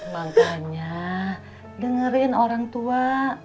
makanya dengerin orang tua